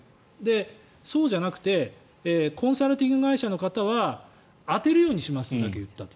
そうじゃなくてコンサルティング会社の方は当てるようにしますとだけ言ったと。